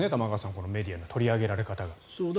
このメディアの取り上げられ方が。